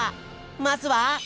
まずは。